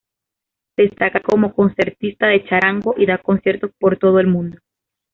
Destaca como concertista de charango, y da conciertos por todo el mundo.